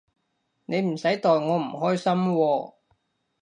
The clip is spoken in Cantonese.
你唔使代我唔開心喎